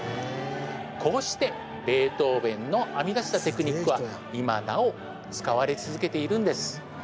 こうしてベートーヴェンの編み出したテクニックは今なお使われ続けているんです